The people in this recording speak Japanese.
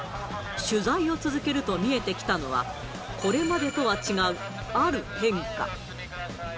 取材を続けると見えてきたのは、これまでとは違うある変化。